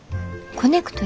コネクト？